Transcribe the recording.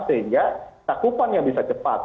sehingga takupannya bisa cepat